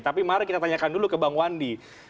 tapi mari kita tanyakan dulu ke bang wandi